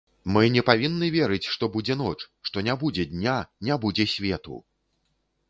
Мы не павінны верыць, што будзе ноч, што не будзе дня, не будзе свету!